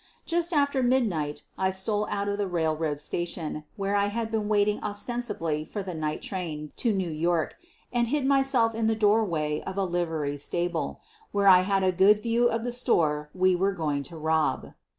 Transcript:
Just after midnight I stole out of the railroad station, where I had been waiting ostensibly for the night train to New York, and hid myself in the doorway of a livery stable, where I had a good view of the store we were going to rob.